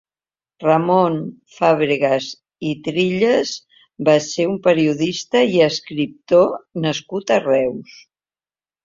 Ramon Fàbregas i Trilles va ser un periodista i escriptor nascut a Reus.